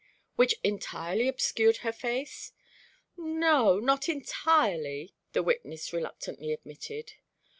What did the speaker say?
"Which entirely obscured her face?" "No, not entirely," the witness reluctantly admitted.